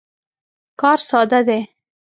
کار ساده دی.